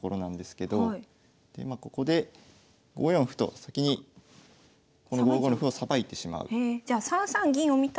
まあここで５四歩と先にこの５五の歩をさばいてしまう。